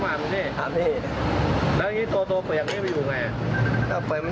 ไม่หลากนะทั้งวางคืน